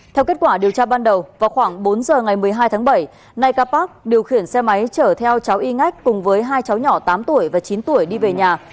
theo kết quả điều tra ban đầu vào khoảng bốn giờ ngày một mươi hai tháng bảy nay ca park điều khiển xe máy chở theo cháu y ngách cùng với hai cháu nhỏ tám tuổi và chín tuổi đi về nhà